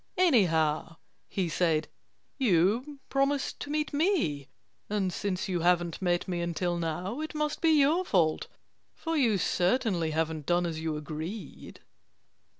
"Anyhow," he said, "you promised to meet me. And since you haven't met me until now it must be your fault, for you certainly haven't done as you agreed."